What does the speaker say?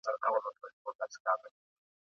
عکاسان د زعفرانو د ګلونو عکسونه اخلي.